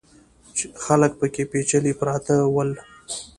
خلک پکې پېچلي پراته ول.